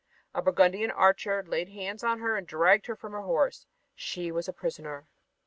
A Burgundian archer laid hands on her and dragged her from her horse. She was a prisoner.